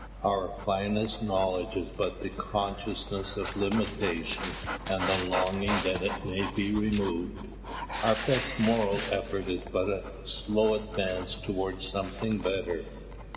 Our finest knowledge is but the consciousness of limitation and the longing that it may be removed. Our best moral effort is but a slow advance towards something better.